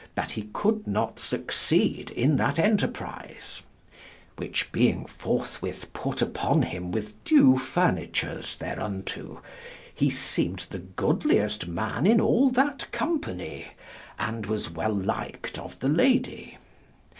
that he could not succeed in that enterprise: which being forthwith put upon him with dewe furnitures thereunto, he seemed the goodliest man in al that company, and was well liked of the lady.